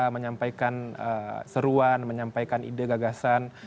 menyampaikan seruan menyampaikan ide gagasan